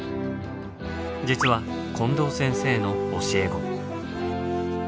実は近藤先生の教え子。